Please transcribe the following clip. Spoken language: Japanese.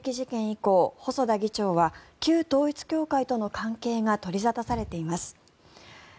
以降細田議長は旧統一教会との関係が取り沙汰されています。